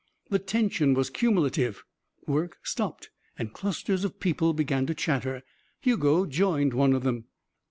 The tension was cumulative. Work stopped and clusters of people began to chatter. Hugo joined one of them.